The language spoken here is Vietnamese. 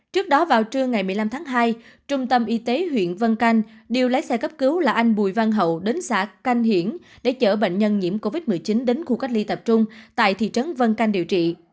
trước đó vào trưa ngày một mươi năm tháng hai trung tâm y tế huyện vân canh điều lái xe cấp cứu là anh bùi văn hậu đến xã canh hiển để chở bệnh nhân nhiễm covid một mươi chín đến khu cách ly tập trung tại thị trấn vân canh điều trị